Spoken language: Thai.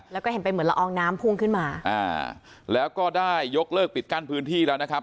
แล้วก็เห็นเป็นเหมือนละอองน้ำพุ่งขึ้นมาอ่าแล้วก็ได้ยกเลิกปิดกั้นพื้นที่แล้วนะครับ